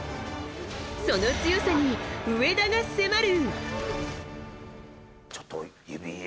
その強さに上田が迫る。